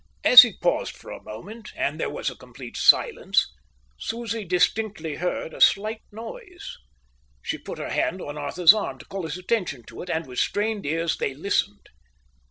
As he paused for a moment, an there was a complete silence, Susie distinctly heard a slight noise. She put her hand on Arthur's arm to call his attention to it, and with strained ears they listened.